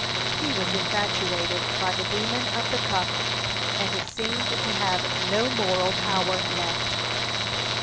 He was infatuated by the demon of the cup, and seemed to have no moral power left.